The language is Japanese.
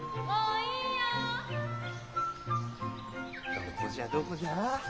どこじゃどこじゃ？